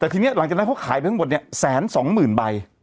แต่ทีนี้หลังจากนั้นเขาขายไปทั้งหมดเนี่ยแสนสองหมื่นใบ